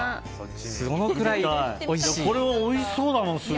これ、おいしそうだもん。